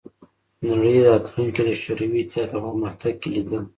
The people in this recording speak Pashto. د نړۍ راتلونکې د شوروي اتحاد په پرمختګ کې لیده